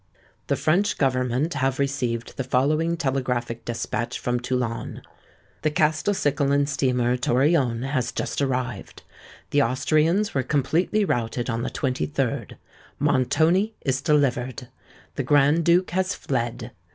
"The French Government have received the following Telegraphic Despatch from Toulon:— "'The Castelcicalan steamer Torione _has just arrived. The Austrians were completely routed on the 23rd. Montoni is delivered. The Grand Duke has fled.